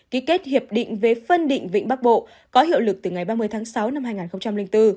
ký kết hiệp định về phân định vịnh bắc bộ có hiệu lực từ ngày ba mươi tháng sáu năm hai nghìn bốn